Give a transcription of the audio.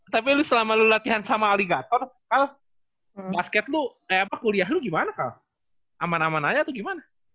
tapi lu selama lu latihan sama aligator kal basket lu kayak apa kuliah lu gimana kal aman aman aja atau gimana